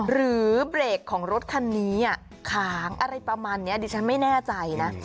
หรือเบรกของรถคันนี้ขางอะไรประมาณนี้ดิฉันไม่แน่ใจนะ